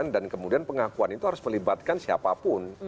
dan kemudian pengakuan itu harus melibatkan siapapun